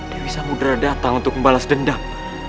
dewi samudera datang untuk membalas dendam